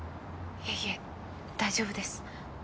いえいえ大丈夫です。